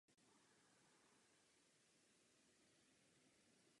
Obraz byl také odmítnut.